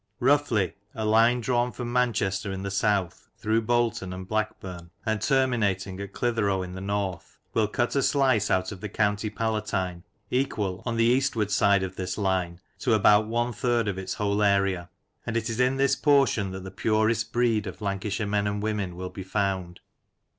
Roughly, a line drawn from Manchester in the south, through Bolton and Blackburn, and terminating at Clitheroe in the north, will cut a slice out of the County Palatine, equal, on the eastward side of this line, to about one third of its whole area ; and it is in this portion that the purest breed of Lancashire men and women will be found.